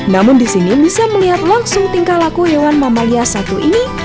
namun di sini bisa melihat langsung tingkah laku hewan mamalia satu ini